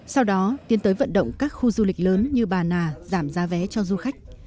sau đó tiến tới vận động các khu du lịch lớn như bà nà giảm giá vé cho du khách